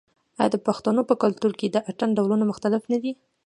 آیا د پښتنو په کلتور کې د اتن ډولونه مختلف نه دي؟